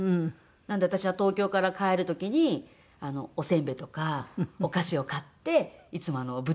なので私は東京から帰る時におせんべいとかお菓子を買っていつも物々交換をしてますね。